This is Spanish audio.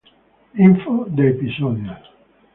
Info de episodios